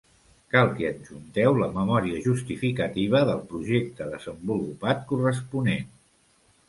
Cal que hi adjunteu la memòria justificativa del projecte desenvolupat corresponent.